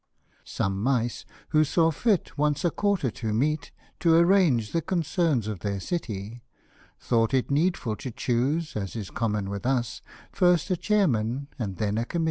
SOME mice who saw fit once a quarter to meet, To arrange the concerns of their city ; Thought it needful to choose, as is common with us, First a chairman and then a committee.